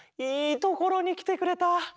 いいところにきてくれた。